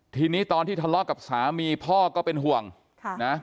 ทีนี้ตอนที่ทะเลาะกับสามีพ่อก็เป็นห่วงค่ะนะ